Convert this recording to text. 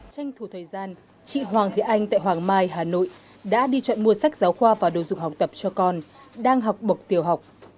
tranh thủ thời gian chị hoàng thị anh tại hoàng mai hà nội đã đi chọn mua sách giáo khoa và đồ dùng học tập cho con đang học bậc tiểu học